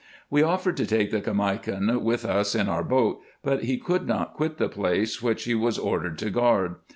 We offered to take the Caimakan with us in our boat, but he could not quit the place which he was ordered to guard.